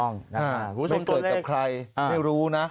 ไม่เกิดกับใครไม่รู้นะ